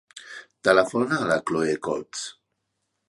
Telefona a la Chloé Codes.